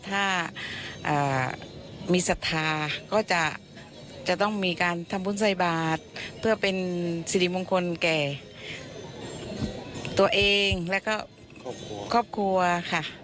ถ้ามีศรัทธาก็จะต้องมีการทำบุญใส่บาทเพื่อเป็นสิริมงคลแก่ตัวเองแล้วก็ครอบครัวค่ะ